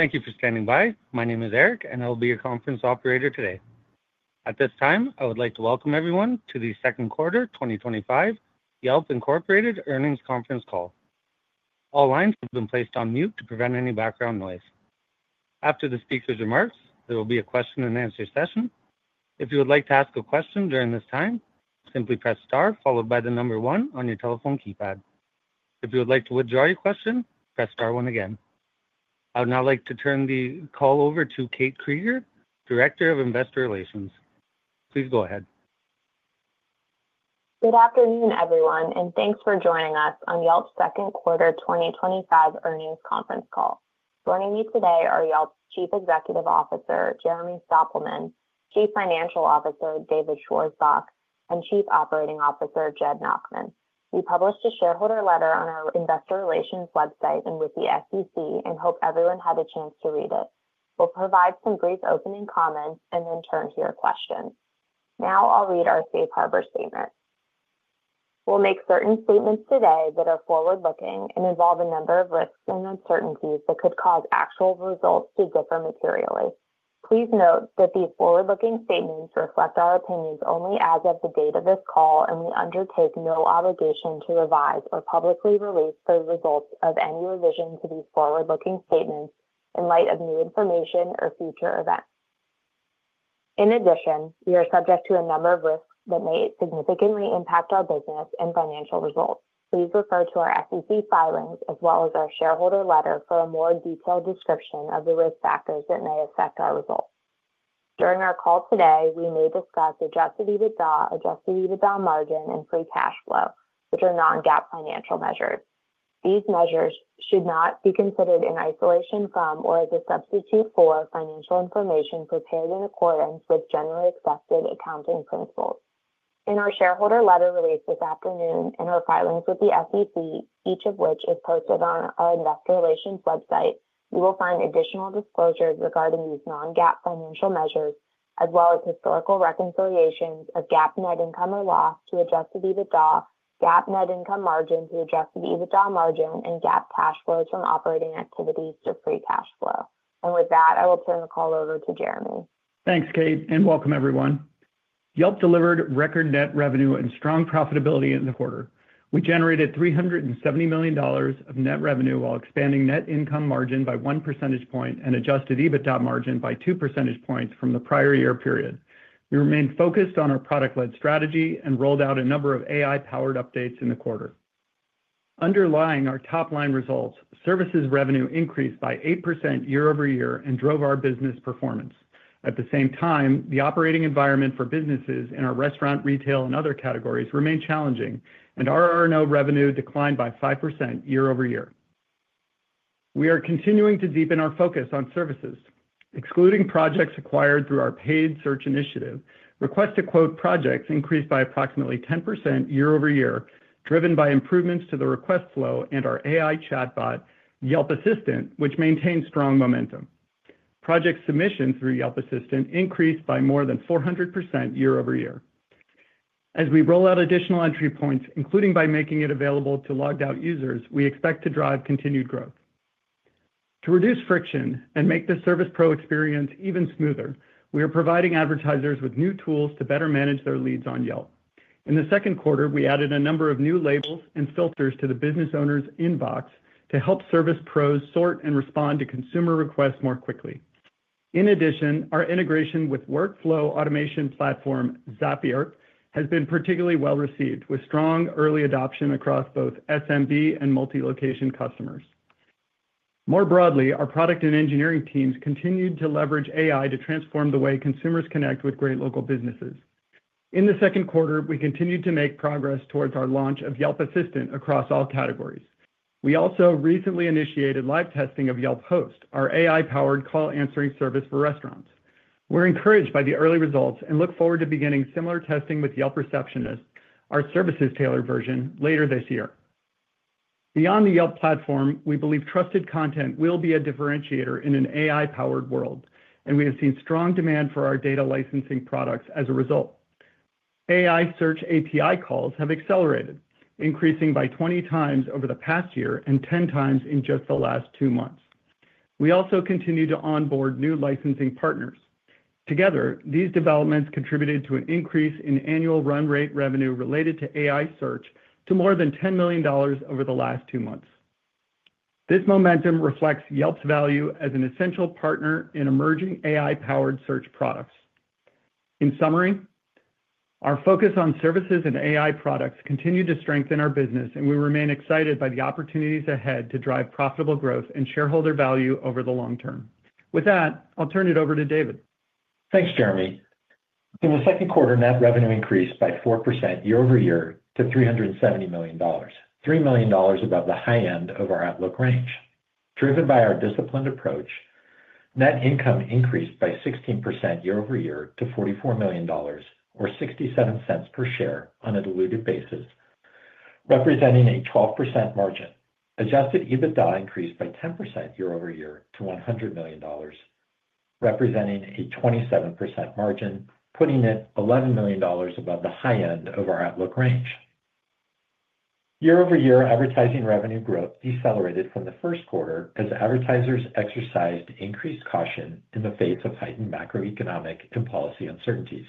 Thank you for standing by. My name is Erik, and I will be your conference operator today. At this time, I would like to welcome everyone to the Second Quarter 2025 Yelp Incorporated Earnings Conference Call. All lines have been placed on mute to prevent any background noise. After the speaker's remarks, there will be a question and answer session. If you would like to ask a question during this time, simply press star followed by the number one on your telephone keypad. If you would like to withdraw your question, press star one again. I would now like to turn the call over to Kate Krieger, Director of Investor Relations. Please go ahead. Good afternoon, everyone, and thanks for joining us on Yelp's Second Quarter 2025 Earnings Conference Call. Joining you today are Yelp's Chief Executive Officer, Jeremy Stoppelman, Chief Financial Officer, David Schwarzbach, and Chief Operating Officer, Jed Nachman. We published a shareholder letter on our Investor Relations website and with the SEC and hope everyone had a chance to read it. We'll provide some brief opening comments and then turn to your question. Now I'll read our safe harbor statement. We'll make certain statements today that are forward-looking and involve a number of risks and uncertainties that could cause actual results to differ materially. Please note that these forward-looking statements reflect our opinions only as of the date of this call, and we undertake no obligation to revise or publicly release the results of any revision to these forward-looking statements in light of new information or future events. In addition, we are subject to a number of risks that may significantly impact our business and financial results. Please refer to our SEC filings as well as our shareholder letter for a more detailed description of the risk factors that may affect our results. During our call today, we may discuss adjusted EBITDA, adjusted EBITDA margin, and free cash flow, which are non-GAAP financial measures. These measures should not be considered in isolation from or as a substitute for financial information prepared in accordance with generally accepted accounting principles. In our shareholder letter released this afternoon and our filings with the SEC, each of which is posted on our Investor Relations website, you will find additional disclosures regarding these non-GAAP financial measures, as well as historical reconciliations of GAAP net income or loss to adjusted EBITDA, GAAP net income margin to adjusted EBITDA margin, and GAAP cash flows from operating activities to free cash flow. With that, I will turn the call over to Jeremy. Thanks, Kate, and welcome, everyone. Yelp delivered record net revenue and strong profitability in the quarter. We generated $370 million of net revenue while expanding net income margin by 1% and adjusted EBITDA margin by 2% from the prior year period. We remained focused on our product-led strategy and rolled out a number of AI-powered updates in the quarter. Underlying our top-line results, services revenue increased by 8% year-over-year and drove our business performance. At the same time, the operating environment for businesses in our restaurant, retail, and other categories remained challenging, and our RR&O revenue declined by 5% year-over-year. We are continuing to deepen our focus on services, excluding projects acquired through our paid search initiative. Request to Quote projects increased by approximately 10% year-over-year, driven by improvements to the request flow and our AI chatbot, Yelp Assistant, which maintains strong momentum. Project submissions through Yelp Assistant increased by more than 400% year-over-year. As we roll out additional entry points, including by making it available to logged-out users, we expect to drive continued growth. To reduce friction and make the service pro experience even smoother, we are providing advertisers with new tools to better manage their leads on Yelp. In the second quarter, we added a number of new labels and filters to the business owner's inbox to help service pros sort and respond to consumer requests more quickly. In addition, our integration with workflow automation platform Zapier has been particularly well received, with strong early adoption across both SMB and multi-location customers. More broadly, our product and engineering teams continued to leverage AI to transform the way consumers connect with great local businesses. In the second quarter, we continued to make progress towards our launch of Yelp Assistant across all categories. We also recently initiated live testing of Yelp Host, our AI-powered call answering service for restaurants. We're encouraged by the early results and look forward to beginning similar testing with Yelp Receptionist, our services-tailored version, later this year. Beyond the Yelp platform, we believe trusted content will be a differentiator in an AI-powered world, and we have seen strong demand for our data licensing products as a result. AI search API calls have accelerated, increasing by 20x over the past year and 10x in just the last two months. We also continue to onboard new licensing partners. Together, these developments contributed to an increase in annualized run-rate revenue related to AI search to more than $10 million over the last two months. This momentum reflects Yelp's value as an essential partner in emerging AI-powered search products. In summary, our focus on services and AI products continued to strengthen our business, and we remain excited by the opportunities ahead to drive profitable growth and shareholder value over the long term. With that, I'll turn it over to David. Thanks, Jeremy. In the second quarter, net revenue increased by 4% year-over-year to $370 million, $3 million above the high end of our outlook range. Driven by our disciplined approach, net income increased by 16% year-over-year to $44 million, or $0.67 per share on a diluted basis, representing a 12% margin. Adjusted EBITDA increased by 10% year-over-year to $100 million, representing a 27% margin, putting it $11 million above the high end of our outlook range. Year-over-year advertising revenue growth decelerated from the first quarter as advertisers exercised increased caution in the face of heightened macroeconomic and policy uncertainties.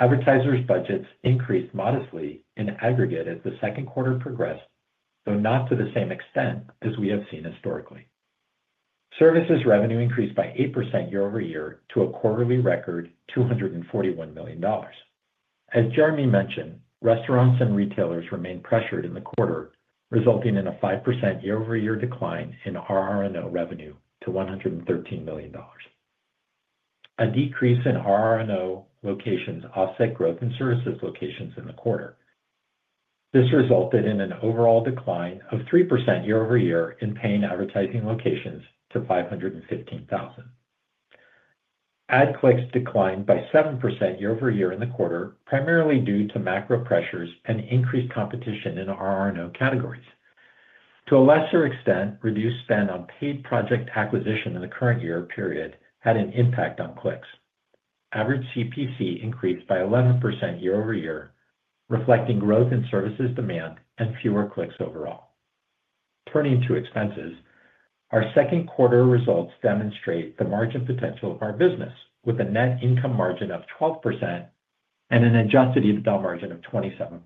Advertisers' budgets increased modestly and aggregated as the second quarter progressed, though not to the same extent as we have seen historically. Services revenue increased by 8% year-over-year to a quarterly record $241 million. As Jeremy mentioned, restaurants and retailers remained pressured in the quarter, resulting in a 5% year-over-year decline in RR&O revenue to $113 million. A decrease in RR&O locations offset growth in services locations in the quarter. This resulted in an overall decline of 3% year-over-year in paying advertising locations to 515,000. Ad clicks declined by 7% year-over-year in the quarter, primarily due to macro pressures and increased competition in RR&O categories. To a lesser extent, reduced spend on paid project acquisition in the current year period had an impact on clicks. Average CPC increased by 11% year-over-year, reflecting growth in services demand and fewer clicks overall. Turning to expenses, our second quarter results demonstrate the margin potential of our business, with a net income margin of 12% and an adjusted EBITDA margin of 27%.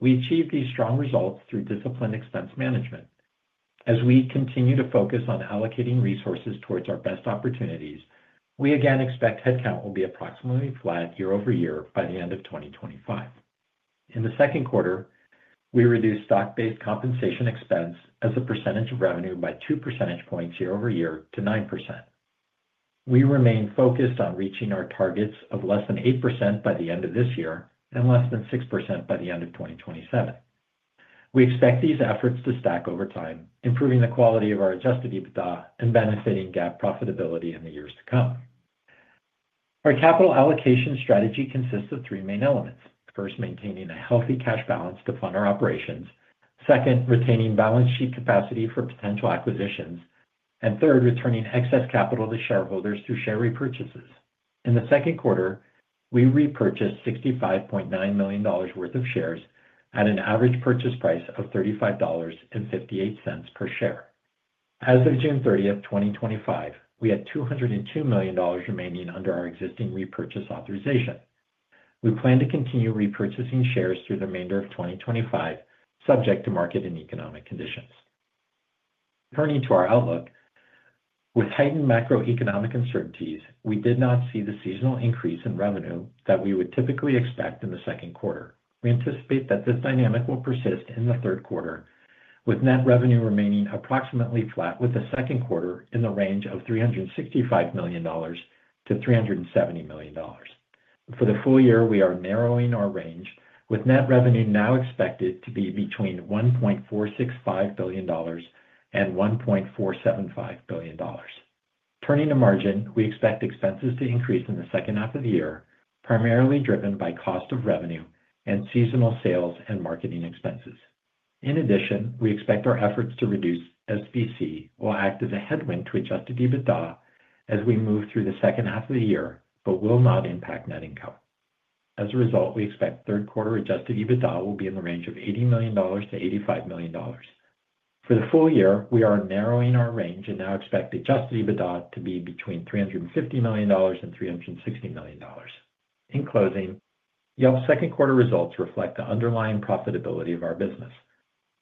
We achieved these strong results through disciplined expense management. As we continue to focus on allocating resources towards our best opportunities, we again expect headcount will be approximately flat year-over-year by the end of 2025. In the second quarter, we reduced stock-based compensation expense as a percentage of revenue by two percentage points year-over-year to 9%. We remain focused on reaching our targets of less than 8% by the end of this year and less than 6% by the end of 2027. We expect these efforts to stack over time, improving the quality of our adjusted EBITDA and benefiting GAAP profitability in the years to come. Our capital allocation strategy consists of three main elements. First, maintaining a healthy cash balance to fund our operations. Second, retaining balance sheet capacity for potential acquisitions. Third, returning excess capital to shareholders through share repurchases. In the second quarter, we repurchased $65.9 million worth of shares at an average purchase price of $35.58 per share. As of June 30th, 2025, we had $202 million remaining under our existing repurchase authorization. We plan to continue repurchasing shares through the remainder of 2025, subject to market and economic conditions. Turning to our outlook, with heightened macroeconomic uncertainties, we did not see the seasonal increase in revenue that we would typically expect in the second quarter. We anticipate that this dynamic will persist in the third quarter, with net revenue remaining approximately flat with the second quarter in the range of $365 million-$370 million. For the full year, we are narrowing our range, with net revenue now expected to be between $1.465 billion and $1.475 billion. Turning to margin, we expect expenses to increase in the second half of the year, primarily driven by cost of revenue and seasonal sales and marketing expenses. In addition, we expect our efforts to reduce SBC will act as a headwind to adjusted EBITDA as we move through the second half of the year, but will not impact net income. As a result, we expect third quarter adjusted EBITDA will be in the range of $80 million-$85 million. For the full year, we are narrowing our range and now expect adjusted EBITDA to be between $350 million and $360 million. In closing, Yelp's second quarter results reflect the underlying profitability of our business.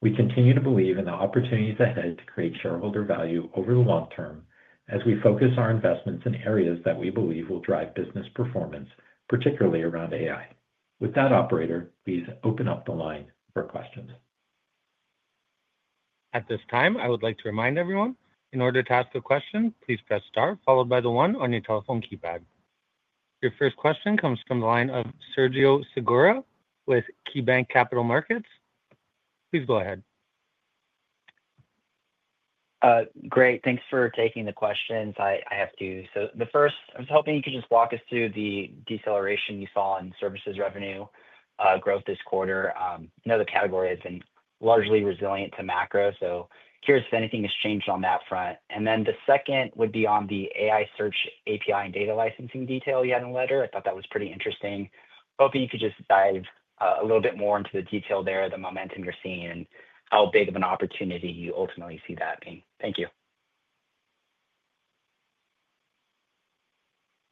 We continue to believe in the opportunities ahead to create shareholder value over the long term as we focus our investments in areas that we believe will drive business performance, particularly around AI. With that, operator, please open up the line for questions. At this time, I would like to remind everyone, in order to ask a question, please press star followed by the one on your telephone keypad. Your first question comes from the line of Sergio Segura with Keybanc Capital Markets. Please go ahead. Great. Thanks for taking the questions. I have two. The first, I was hoping you could just walk us through the deceleration you saw in services revenue growth this quarter. I know the category has been largely resilient to macro, so curious if anything has changed on that front. The second would be on the AI search API and data licensing detail you had in the letter. I thought that was pretty interesting. Hoping you could just dive a little bit more into the detail there, the momentum you're seeing, and how big of an opportunity you ultimately see that being. Thank you.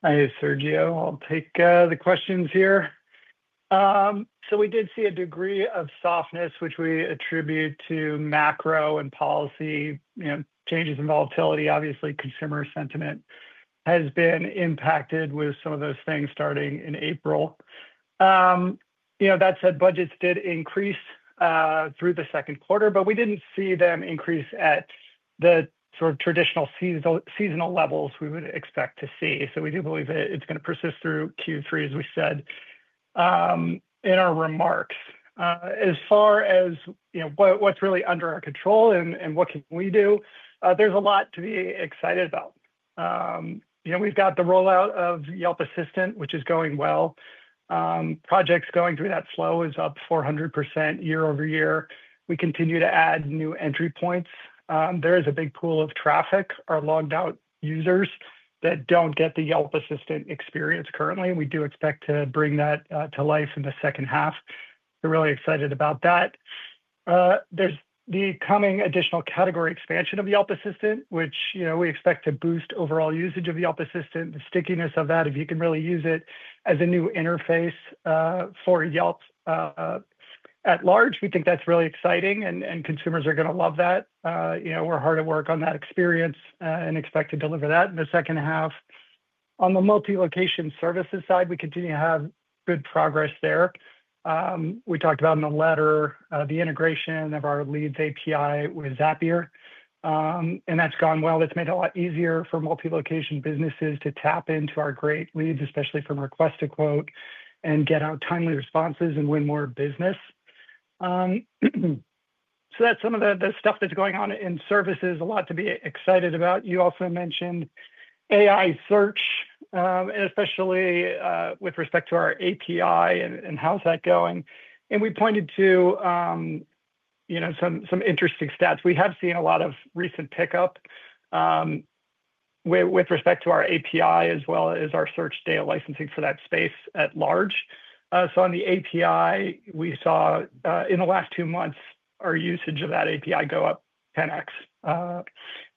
Hi Sergio, I'll take the questions here. We did see a degree of softness, which we attribute to macro and policy changes in volatility. Obviously, consumer sentiment has been impacted with some of those things starting in April. That said, budgets did increase through the second quarter, but we didn't see them increase at the traditional seasonal levels we would expect to see. We do believe that it's going to persist through Q3, as we said in our remarks. As far as what's really under our control and what we can do, there's a lot to be excited about. We've got the rollout of Yelp Assistant, which is going well. Projects going through that flow is up 400% year-over-year. We continue to add new entry points. There is a big pool of traffic, our logged-out users that don't get the Yelp Assistant experience currently. We do expect to bring that to life in the second half. We're really excited about that. There's the coming additional category expansion of Yelp Assistant, which we expect to boost overall usage of Yelp Assistant, the stickiness of that, if you can really use it as a new interface for Yelp at large. We think that's really exciting, and consumers are going to love that. We're hard at work on that experience and expect to deliver that in the second half. On the multi-location services side, we continue to have good progress there. We talked about in the letter the integration of our Leads API with Zapier, and that's gone well. That's made it a lot easier for multi-location businesses to tap into our great leads, especially from Request to Quote, and get out timely responses and win more business. That's some of the stuff that's going on in services, a lot to be excited about. You also mentioned AI search, especially with respect to our API, and how's that going? We pointed to some interesting stats. We have seen a lot of recent pickup with respect to our API as well as our search data licensing for that space at large. On the API, we saw in the last two months our usage of that API go up 10x.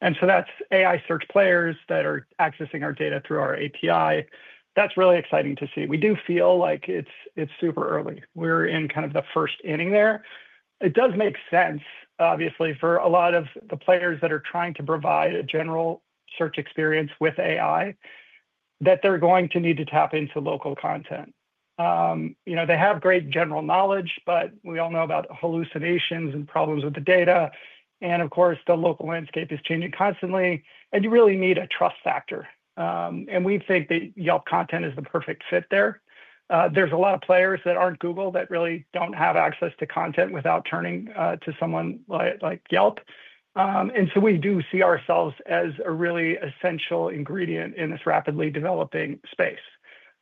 That's AI search players that are accessing our data through our API. That's really exciting to see. We do feel like it's super early. We're in kind of the first inning there. It does make sense, obviously, for a lot of the players that are trying to provide a general search experience with AI that they're going to need to tap into local content. You know, they have great general knowledge, but we all know about hallucinations and problems with the data. Of course, the local landscape is changing constantly, and you really need a trust factor. We think that Yelp content is the perfect fit there. There's a lot of players that aren't Google that really don't have access to content without turning to someone like Yelp. We do see ourselves as a really essential ingredient in this rapidly developing space.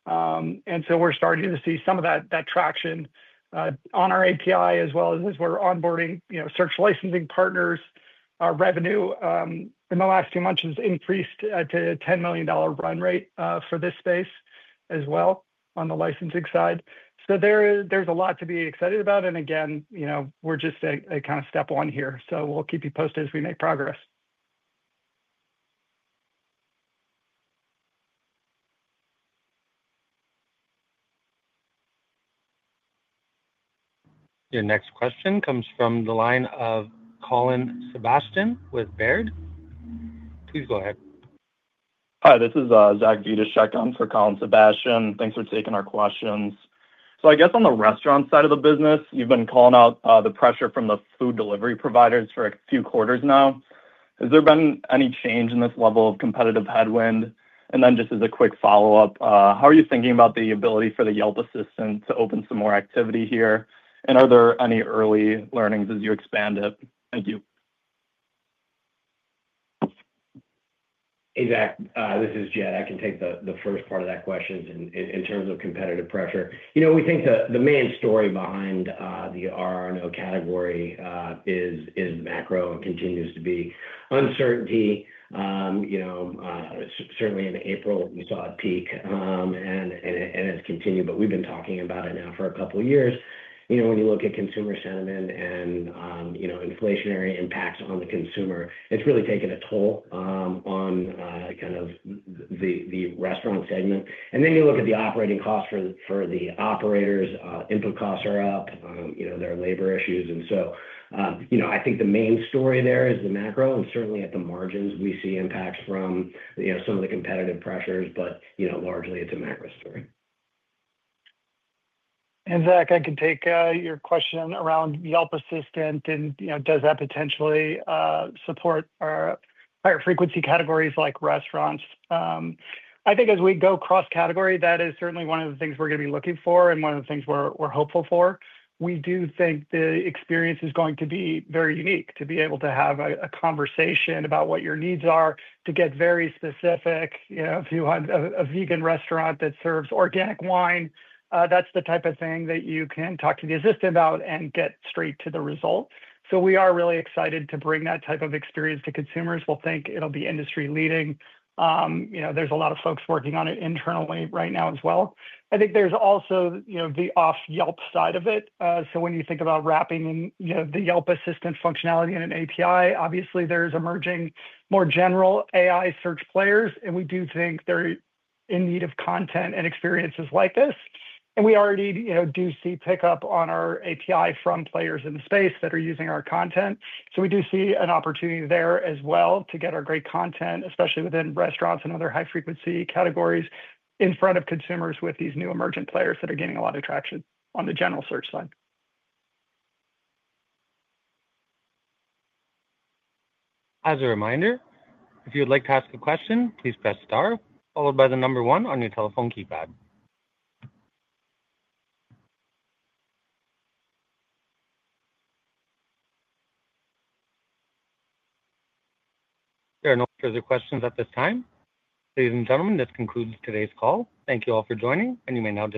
We're starting to see some of that traction on our API as well as we're onboarding search licensing partners. Our revenue in the last two months has increased to a $10 million run rate for this space as well on the licensing side. There is a lot to be excited about. Again, we're just a kind of step on here. We'll keep you posted as we make progress. Your next question comes from the line of Colin Sebastian with Baird. Please go ahead. Hi, this is [Zach Dudashek] on for Colin Sebastian. Thanks for taking our questions. I guess on the restaurant side of the business, you've been calling out the pressure from the food delivery providers for a few quarters now. Has there been any change in this level of competitive headwind? As a quick follow-up, how are you thinking about the ability for the Yelp Assistant to open some more activity here? Are there any early learnings as you expand it? Thank you. Hey Zach, this is Jed. I can take the first part of that question. In terms of competitive pressure, we think the main story behind the RR&O category is macro and continues to be uncertainty. Certainly in April, we saw a peak and it has continued, but we've been talking about it now for a couple of years. When you look at consumer sentiment and inflationary impacts on the consumer, it's really taken a toll on kind of the restaurant segment. Then you look at the operating costs for the operators, input costs are up, there are labor issues. I think the main story there is the macro and certainly at the margins we see impacts from some of the competitive pressures, but largely it's a macro story. Zach, I can take your question around Yelp Assistant and, you know, does that potentially support our higher frequency categories like restaurants? I think as we go cross-category, that is certainly one of the things we're going to be looking for and one of the things we're hopeful for. We do think the experience is going to be very unique to be able to have a conversation about what your needs are, to get very specific. You know, if you want a vegan restaurant that serves organic wine, that's the type of thing that you can talk to the assistant about and get straight to the result. We are really excited to bring that type of experience to consumers. We think it'll be industry-leading. There's a lot of folks working on it internally right now as well. I think there's also the off-Yelp side of it. When you think about wrapping in the Yelp Assistant functionality in an API, obviously there's emerging more general AI search players, and we do think they're in need of content and experiences like this. We already do see pickup on our API from players in the space that are using our content. We do see an opportunity there as well to get our great content, especially within restaurants and other high-frequency categories, in front of consumers with these new emergent players that are gaining a lot of traction on the general search side. As a reminder, if you would like to ask a question, please press star followed by the number one on your telephone keypad. There are no further questions at this time. Ladies and gentlemen, this concludes today's call. Thank you all for joining, and you may now.